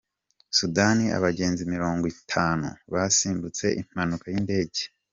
Sudani Abagenzi mirongwitanu basimbutse impanuka y’indege